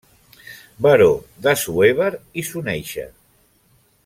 Baró d'Assuévar i Soneixa.